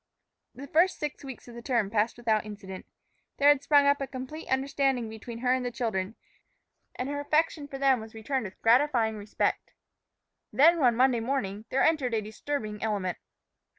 The first six weeks of the term passed without incident. There had sprung up a complete understanding between her and the children, and her affection for them was returned with gratifying respect. Then, one Monday morning, there entered a disturbing element.